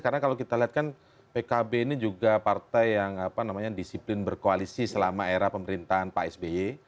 karena kalau kita lihat kan pkb ini juga partai yang disiplin berkoalisi selama era pemerintahan pak sby